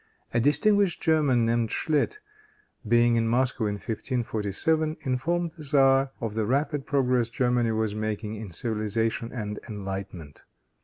A distinguished German, named Schlit, being in Moscow in 1547, informed the tzar of the rapid progress Germany was making in civilization and enlightenment.